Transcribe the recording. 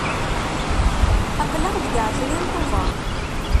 Aql-aɣ deg ɛecrin Tubeṛ.